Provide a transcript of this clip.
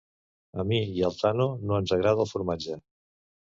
A mi i al Tano no ens agrada el formatge.